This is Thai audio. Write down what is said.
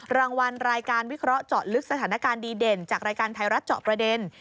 รางวัลรายการวิเคราะห์เจาะลึกสถานการณ์ดีเด่นจากรายการไทยรัฐเจาะประเด็น